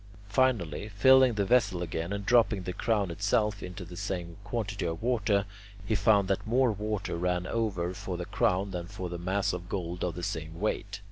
Finally, filling the vessel again and dropping the crown itself into the same quantity of water, he found that more water ran over for the crown than for the mass of gold of the same weight.